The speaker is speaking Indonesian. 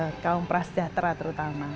untuk kaum prasjahtera terutama